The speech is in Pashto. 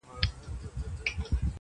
راسه دروې ښيم_